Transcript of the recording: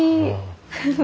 フフフ。